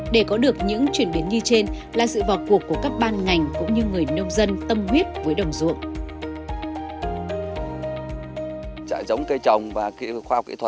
để có được những chuyển biến như trên là sự vào cuộc của các ban ngành